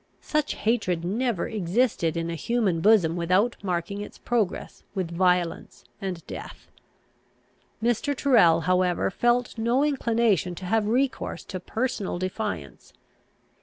Such hatred never existed in a human bosom without marking its progress with violence and death. Mr. Tyrrel, however, felt no inclination to have recourse to personal defiance.